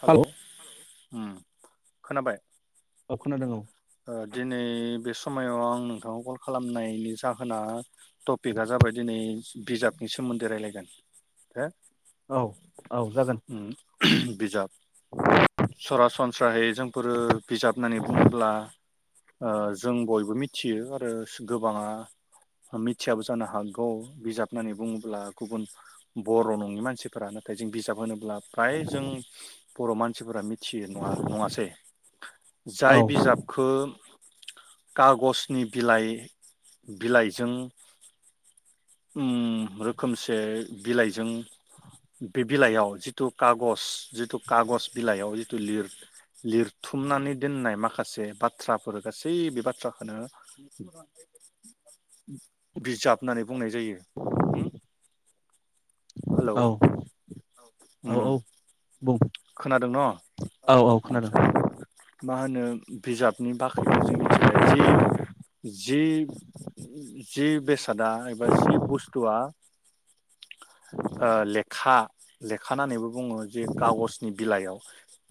Hello ओम खोनाबाय? ओ दिनै बे सम हमायाव आं नोंथांखौ कल खालामनायनि जाहोना टपिकआ जाबाय दिनै बिजाबनि सोमोन्दै रायलायगोन। हो औ औ जागोन। बिजाब [unintelligible] सरासनस्राहै जोंफोरो बिजाब होननानै बुङोब्ला ओ जों बयबो मिथियो आरो गोबाङा मिथियाबो जानो हागौ बिजाब होननानै बुङोब्ला गुबुन बर' नङि मानसिफ्रानो जों बिजाब होनोब्ला फ्राय जों बर' मानसि सिफोरा मि थियो नङा नङासै? जाय बिजाबखो काग'ज नि बिलाइ बिलाइजों ओम रोखोमसे बिलाइजों बे बिलाइयाव जिथु काग'ज जिथु काग'ज बिलाइयाव जिथु लिर-लिरथुमनानै दोननाय माखा खासे बाथ्राफोर गासै बे बाथ्राखौनो बिजाब बुंनाय जायो होम हेलौ ओम खोनादों न आदसा। मा होनो बिजाबनि बाख्रिखौ जों मिथिबाय जि जि जि बेसादा एबा जि बुस्थुआ ओ लेखा लेखा नानैबो बुङो जे काग'ज बिलाइयाव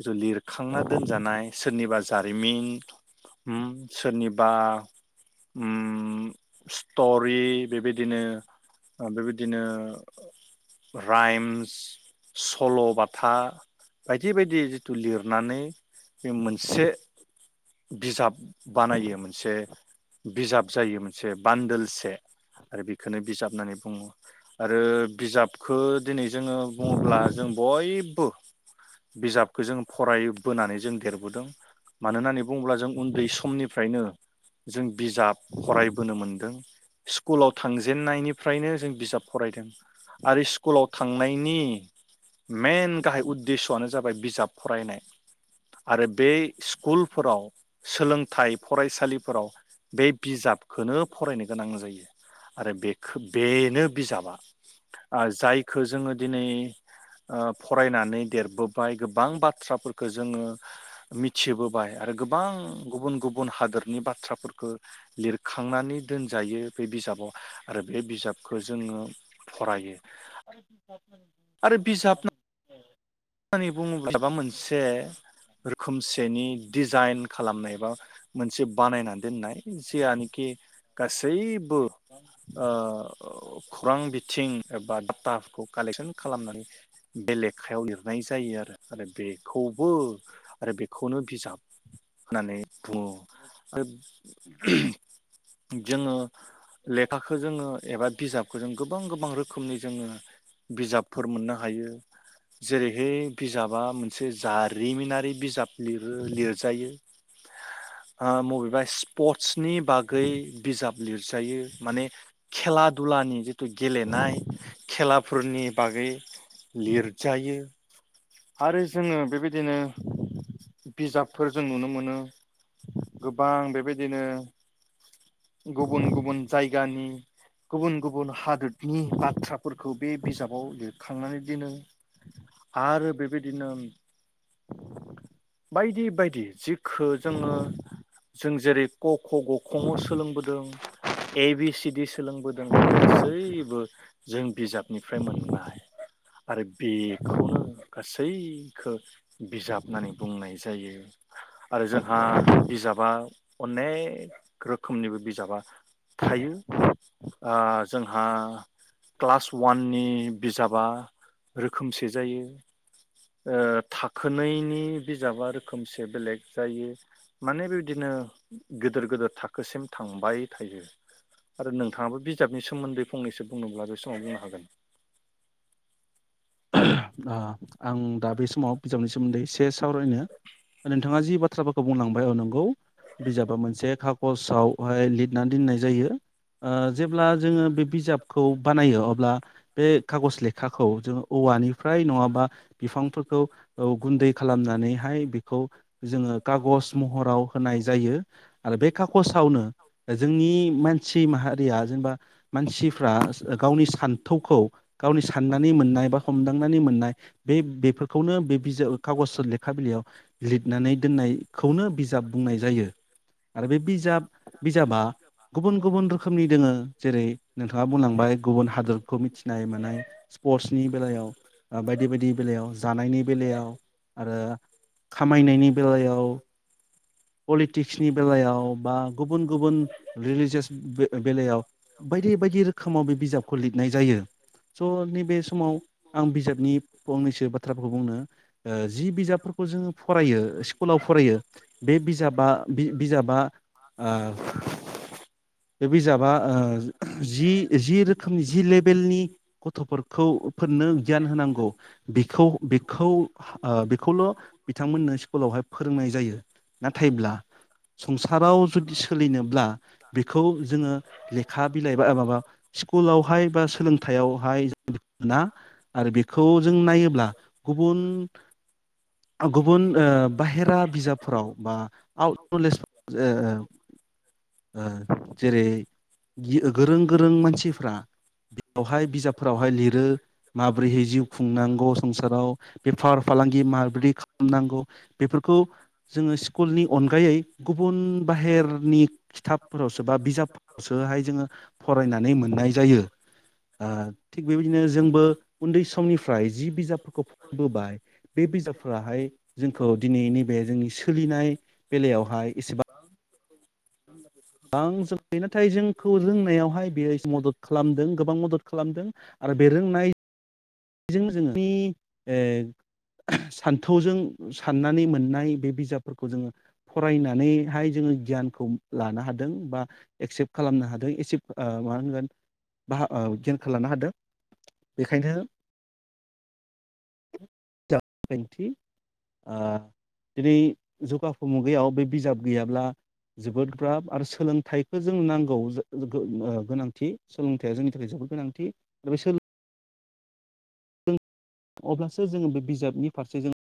ज लिरखांना दोनजानाय सोरनिबा जारिमिन ओम सोरनिबा ओम स्टरि बेबायदिनो ओ बेबायदिनो राइम्स सल'बाथा बायदि बायदि जिथु लिरनानै बे मोनसे बिजाब बानायो मोनसे बिजाब जायो मोनसे बान्दोल से आरो बेखौनो बिजाब होननानै बुङो आरो बिजाब खो दिनै जोङो बुङोब्ला जों बय बो बिजाबखौ जों फरायबोनानै जों देरबोदों मानो होननानै बुङोब्ला जों उन्दै समनिफ्रायनो जों बिजाब फरायबोनो मोनदों स्कुलाव थांजेननायनिफ्रायनो जों बिजाब फरायदों। आरो स्कुलाव थांनायनि मेन गाहाय जाबाय बिजाब फरायनाय आरो बे स्कुलफोराव सोलोंथाइ फरायसालि फोराव बे बिजाबखौनो फरायनो गोनां जायो आरो बेखो बेनो बिजाबा आ जायखौ जोङो दिनै ओ फरायनानै देरबोबाय गोबां बाथ्राफोरखौ जोङो मिथिबोबाय आरो गोबां गुबुन गुबुन हादोरनि बाथ्राफोरखौ लिरखांनानै दोनजायो बे बिजाबाव आरो बे बिजाबखौ जोङो फरायो। ब [inaudible] आरो बिजाब होननानै बुङोब्लाबा मोनसे रोखोमसेनि डिजाइन खालामनाय बा मोनसे बानायना दोननाय जियानोखि गासै [unintelligible] ओ खौरां बिथिं एबा डाटाखौ कालेकसन खालामनानै बे लेखायाव लि ब [inaudible] जायो आरो आरो बेखौ [inaudible] आरो बेखौनो बिजाब होननानै बुङो आरो जोंङो लेखाखौ जोङो एबा बिजाबखौ जों गोबां गोबां रोखोमनि जोङो बिजाबफोर मोननो हायो। जेरैहाय बिजाबा मोनसे जारिमिनारि बिजाब लिरो लिरजायो ओ बबेबा स्पर्टसनि बागै बिजाब लिरजायो माने खेला दुलानि जिथु गेलेनाय खेलाफोरनि बागै लिर जायो आरो जोङो बेबायदिनो बिजाबफोर जों नुनो मोनो गोबां बेबायदिनो गुबुन गुबुन जायगानि गुबुन गुबुन हादोरनि बाथ्राफोरखौ बे बिजाबाव लिरखांनानै दोनो आरो बेबायदिनो बायदि बायदि जि खौ जोङो जों जेरै क ख ग क सोलोंबोदों ए बि सि डि सोलोंबोदों बेफोर गासैबो जों बिजाबनिफ्राय मोननाय आरो बेखौनो गासैखो बिजाब होननानै बुंनाय जायो आरो जोंहा बिजाबा अनेक रोखोमनिबो बिजाबा थायो जोंहा क्लास वाननि बिजाबा रोखोमसे जायो। ओ थाखोनैनि बिजाबा रोखोमसे बेलेग जायो माने बेबादिनो गेदेर गिदेर थाखोसिम थांबाय थायो। आरो नोंथाङाबो बिजाबनि सोमोन्दै फंनैसो बुंनोब्ला बे समाव बुंनो हागोन। आं दा बे समाव बिजाबनि सोमोन्दै इसे सावरायनो नोंथाङा जि बाथ्राफोरखौ बुंलांबाय ओ नंगौ बिजाबा मोनसे खागसाव हाय लिरनानै दोननाय जायो। ओ जेब्ला जोङो बे बिजाबखौ बानायो अब्ला बे खागज लेखाखौ जोङो औवानिफ्राय नङाबा बिफांफोरखौ ओ गुन्दै खालामनानैहाय बेखौ जोङो खागज महराव होनाय जायो आरो बे खागजावनो ओ जोंनि मानसि माहारिया जेनेबा मानसिफ्रा ओ गावनि सान्थौखौ गावनि साननानै मोननाय बा हमदांनानै मोननाय बे-बेफोरखौनो बे बिजाब कागज लेखा बिलाइयाव लिरनानै दोननायखौनो बिजाब बुंनाय जायो आरो बे बिजाब बिजाबा गुबुन गुबुन रोखोमनि दोङो जेरै नोंथाङा बुंलांबाय गुबुन हादरखौ मिथिनाय मानाय स्पर्टसनि बेलायाव ओ बायदि बायदि बेलायाव जानायनि, बेलायाव आरो खामायनायनि बेलायाव, पलिटिक्सनि बेलायाव, बा गुबुन गुबुन रिलिजियास बेलायाव बायदि बायदि रोखोमाव बे बिजाबखौ लिरनाय जायो। स' नैबे समाव आं बिजाबनि फंनैसो बाथ्राफोरखौ बुंनो जि बिजाबफोरखौ बिजाबखौ जोङो फरायो स्कुलाव फरायो बे बिजाबा बिजाबा ओ बे बिजाबा ओ जि-जि रोखोमनि जि लेबेलनि गथ'फोरखौ नो गियान होनांगौ बेखौ-बेखौ औ ओ बेखौल' बिथांमोननो स्कुलावहाय फोरोंनाय जायो। नाथायब्ला संसाराव जुदि सोलिनोब्ला बेखौ जोङो लेखा बिलाइ माबा स्कुलावहाय बा सोलोंथाइयावहाय ना आरो बेखौ जों नायोब्ला गुबुन गुबुन ओ बाहेरा बिजाबफोराव बा आउट नलेजाव ओ ओ जेरै गि गोरों गोरों मानसिफ्रा बेयावहाय बिजाबफोरावहाय लिर दो माब्रैहाय जिउ खुंनांगौ संसाराव बेफार फालांगि माब्रै खालामनांगौ बेफोरखौ जोङो स्कुलनि अन गायै गुबुन बाहेरनि खिथाबफोरावसो बा बिजाबफोरावसो हाय जोङो फरायनानै मोननाय जायो। ओ थिग बेबायदिनो जोंबो उन्दै समनिफ्राय जि बिजाबफोरखौ फरायबोबाय बे बिजाबफोराहाय जोंखौ दिनै नैबे जोंनि सोलिनाय बेलायावहाय एसेबां बां बेखौ आं [unintelligible] थाय जोंखौ रोंनायावहाय बेयो मदद खालामदों गोबां मदद खालामदों आरो बे रोंनाय [unintelligible] ओ सान्थौजों साननानै मोननाय बे बिजाबफोरखौ जोङो फरायनानैहाय जोङो गियानखौ लानो हादों बा एक्सेप्ट खालामनो हादों [unintelligible] मा होनगोन बाहा ओ गियानखौ लानो हादों बेखायनो [unintelligible] ओ दिनै जुगाफु मुगायाव बे बिजाब गैयाब्ला जोबोद गोब्राब आरो सोलोंथाइखौ जों नांगौ गोनांथि सोलोंथाइया जोंनि थाखाय जोबोद गोनांथि [unintelligible] जों अब्लासो जोङो बे बिजाबनि फारसे जों